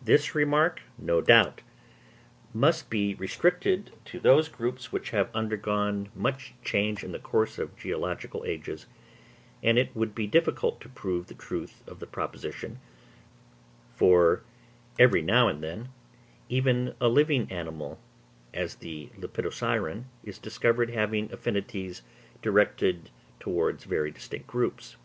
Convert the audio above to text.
This remark no doubt must be restricted to those groups which have undergone much change in the course of geological ages; and it would be difficult to prove the truth of the proposition, for every now and then even a living animal, as the Lepidosiren, is discovered having affinities directed towards very distinct groups.